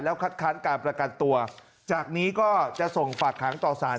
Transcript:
คัดค้านการประกันตัวจากนี้ก็จะส่งฝากขังต่อสาร